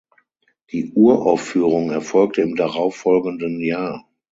Die Uraufführung erfolgte im darauffolgenden Jahr.